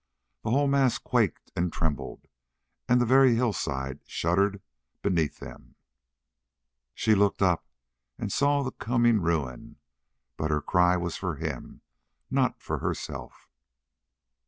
The whole mass quaked and trembled, and the very hillside shuddered beneath them. She looked up and saw the coming ruin; but her cry was for him, not herself.